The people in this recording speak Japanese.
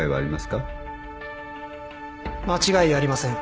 間違いありません。